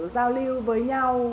giao lưu với nhau